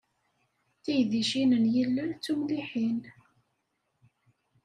Tiydicin n yilel d tumliḥin.